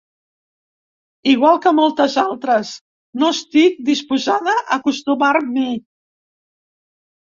Igual que moltes altres, no estic disposada a acostumar-m’hi.